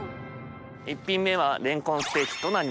１品目はレンコンステーキとなります。